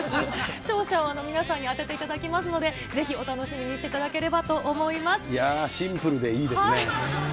勝者を皆さんに当てていただきますので、ぜひお楽しみにしていただければシンプルでいいですね。